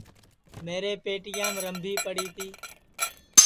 میرے پیٹیام رمبھی پڑی تی